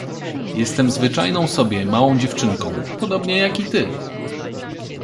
— Jestem zwyczajną sobie małą dziewczynką, podobnie jak i ty.